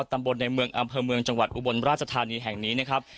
ตำบลในเมืองอำเภอเมืองจังหวัดอุบลราชธานีแห่งนี้นะครับ